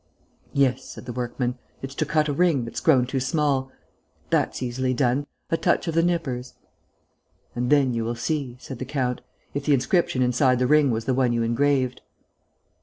"Yes," said the workman. "It's to cut a ring that's grown too small.... That's easily done.... A touch of the nippers...." "And then you will see," said the count, "if the inscription inside the ring was the one you engraved."